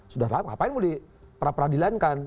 sudah selesai ngapain mau di para peradilankan